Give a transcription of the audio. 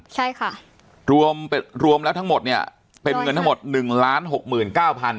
ใช่ค่ะรวมรวมแล้วทั้งหมดเนี่ยเป็นเงินทั้งหมด๑ล้านหกหมื่นเก้าพัน